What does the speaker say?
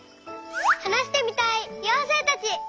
はなしてみたいようせいたち！